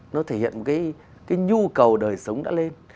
nó thể hiện cái nhu cầu đời sống đã lên